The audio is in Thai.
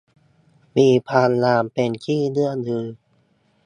มีความงามเป็นที่เลื่องลือ